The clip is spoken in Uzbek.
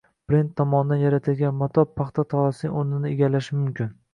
Brend tomonidan yaratilgan mato paxta tolasining o‘rnini egallashi mumkin